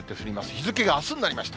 日付があすになりました。